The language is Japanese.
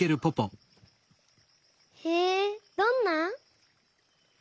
へえどんな？